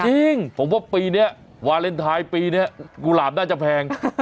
จริงผมว่าปีนี้วาเลนไทยปีนี้กุหลาบน่าจะแพง